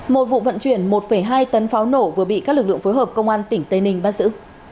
một vụ vận chuyển một hai tấn pháo nổ vừa bị các lực lượng phối hợp công an tỉnh tây ninh bắt giữ